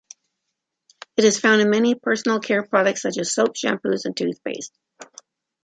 It is found in many personal care products such as soaps, shampoos, and toothpaste.